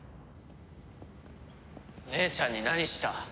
姉ちゃんに何した？